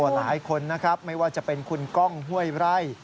หลายคนนะครับไม่ว่าจะเป็นคุณก้องห้วยไร่